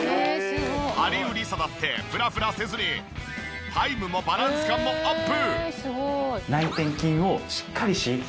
ハリウリサだってフラフラせずにタイムもバランス感もアップ！